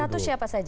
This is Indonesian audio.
kita tuh siapa saja